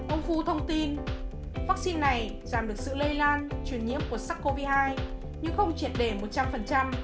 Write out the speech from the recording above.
ông phu thông tin vắc xin này giảm được sự lây lan truyền nhiễm của sắc covid hai nhưng không triệt đề một trăm linh